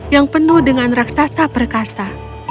yang penuh dengan raksasa perkasa